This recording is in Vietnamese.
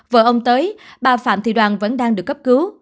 vợ ông tới bà phạm thị đoàn vẫn đang được cấp cứu